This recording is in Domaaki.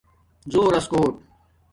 زݸرس کوٹ